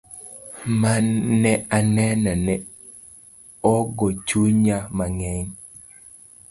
Mane aneno ne ogo chunya mang'eny.